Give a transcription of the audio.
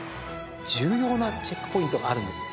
重要なチェックポイントがあるんですよ。